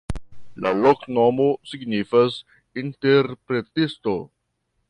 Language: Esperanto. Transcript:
La loknomo signifas: interpretisto.